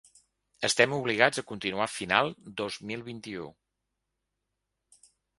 Estem obligats a continuar final dos mil vint-i-u.